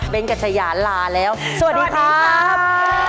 เป็นกัชยาลาแล้วสวัสดีครับ